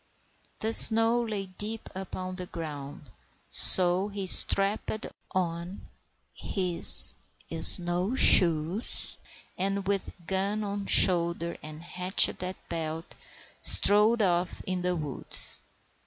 The snow lay deep upon the ground, so he strapped on his snow shoes, and, with gun on shoulder and hatchet at belt, strode off into the woods.